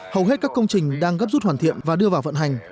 hầu hết các công trình đang gấp rút hoàn thiện và đưa vào vận hành